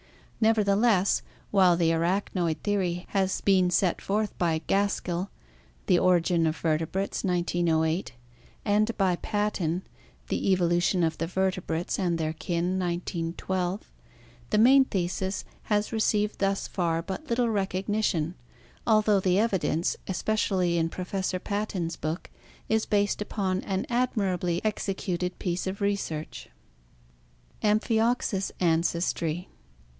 Nevertheless, while the arachnoid theory has been set forth by Gaskell (The Origin of Vertebrates, roflS) and by Patten (The Evolution of the Vertebrates and their Kin, 10T2), the main thesis has received thus far hut little recogni tion, although the evidence, especially in Professor Patten's book, is based upon an admirably executed piece of research. Ampbiorus Ancestry.